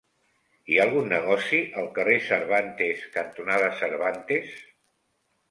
Hi ha algun negoci al carrer Cervantes cantonada Cervantes?